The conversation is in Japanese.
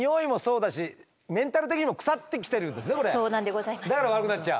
だから悪くなっちゃう？